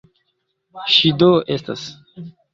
Ŝi do estas?